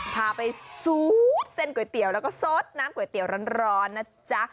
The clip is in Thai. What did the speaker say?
พาไปซูดเส้นก๋วยเตี๋ยวแล้วก็สดน้ำก๋วยเตี๋ยวร้อนนะจ๊ะ